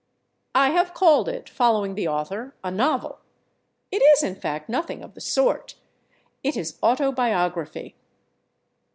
I have called it, following the author, a novel. It is, in fact, nothing of the sort; it is autobiography.